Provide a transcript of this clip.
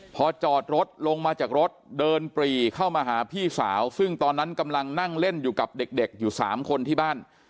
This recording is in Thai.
พอจอดรถลงมาจากรถเดินปรีเข้ามาหาพี่สาวซึ่งตอนนั้นกำลังนั่งเล่นอยู่กับเด็กอยู่๓คนที่บ้าน